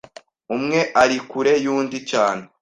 umwe ari kure y’undi cyane